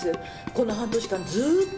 この半年間ずーっと。